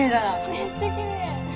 めっちゃきれい！